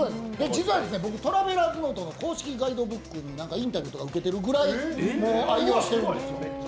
実は僕トラベラーズノートの公式ガイドブックにインタビューを受けているほどもう愛用してるんですよ。